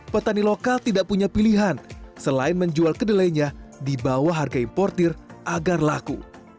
petani lokal tidak punya pilihan selain menjual kedelainya di bawah harga importir agar laku